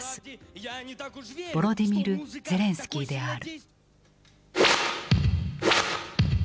ボロディミル・ゼレンスキーである。